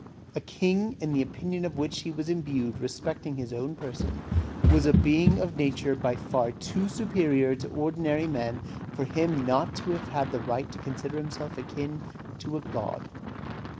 A king, in the opinion of which he was imbued respecting his own person, was a being of a nature by far too superior to ordinary men for him not to have the right to consider himself akin to a god.